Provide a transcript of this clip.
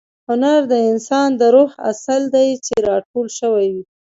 هنر د انسان د روح عسل دی چې را ټول شوی.